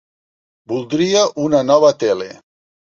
Voldria una nova tele.